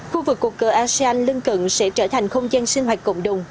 khu vực cột cờ asean lân cận sẽ trở thành không gian sinh hoạt cộng đồng